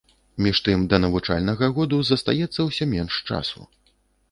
Між тым, да навучальнага году застаецца ўсё менш часу.